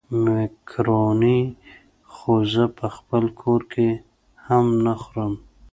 مېکاروني خو زه په خپل کور کې هم نه خورم.